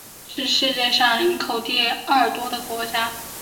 是世界上人口第二多的国家。